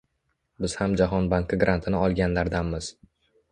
Biz ham Jahon banki grantini olganlardanmiz